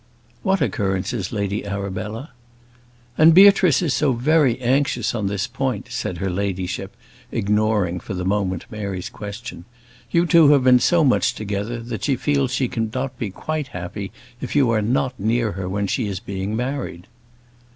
"What occurrences, Lady Arabella?" "And Beatrice is so very anxious on this point," said her ladyship, ignoring for the moment Mary's question. "You two have been so much together, that she feels she cannot be quite happy if you are not near her when she is being married."